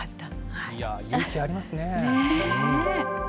勇気ありますね。